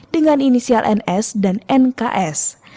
dengan inisial ns dan nks